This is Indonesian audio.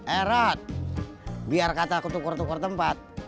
erot biar kataku tukur tukur tempat